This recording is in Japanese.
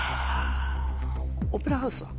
オペラハウスは？